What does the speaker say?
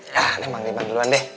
nah ini mang diman duluan deh